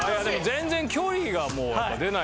全然距離が出ないっすわ。